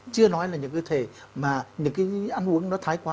chưa nói là những cơ thể mà những cái ăn uống nó thái quá